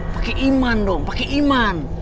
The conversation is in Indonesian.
pakai iman dong pakai iman